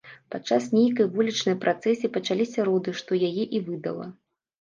Падчас нейкай вулічнай працэсіі пачаліся роды, што яе і выдала.